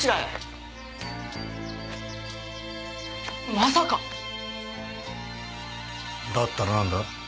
まさかだったら何だ？